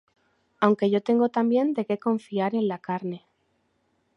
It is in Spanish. Aunque yo tengo también de qué confiar en la carne.